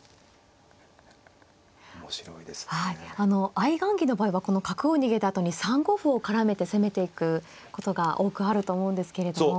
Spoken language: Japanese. あの相雁木の場合はこの角を逃げたあとに３五歩を絡めて攻めていくことが多くあると思うんですけれども。